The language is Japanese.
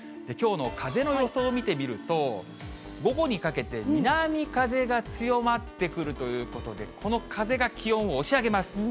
きょうの風の予想を見てみると、午後にかけて南風が強まってくるということで、この風が気温を押し上げます。